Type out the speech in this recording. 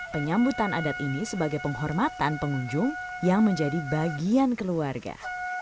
penyambutan adat ini sebagai penghormatan pengunjung yang menjadi bagian keluarga